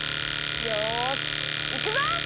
よしいくぞ！